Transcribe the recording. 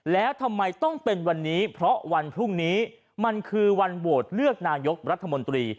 แล้วทำไมต้องเป็นวันนี้เพราะวันพรุ่งนี้มันคือวันโหวตเลือกนายกรัฐมนตรี